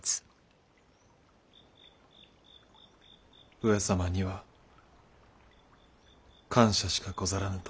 上様には感謝しかござらぬと。